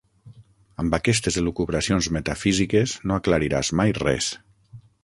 Amb aquestes elucubracions metafísiques no aclariràs mai res!